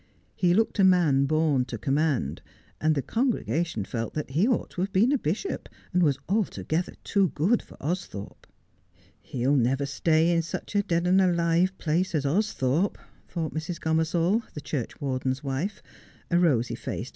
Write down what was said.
He looked a man born to command ; and the congrega tion felt that he ought to have been a bishop, and was altogether too good for Austhorpe. 'He'll never stay in such a dead and alive place as Austhorpe,' thought Mrs. Gomersall, the churchwarden's wife, a rosy faced, An Earnest Man.